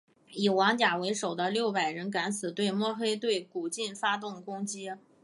以王甲为首的六百人敢死队摸黑对古晋发动攻击。